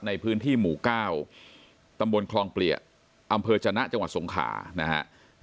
ในพื้นที่หมู่๙ตำบลคลองเปียกอำเภอจนะจังหวัดสงขานะฮะ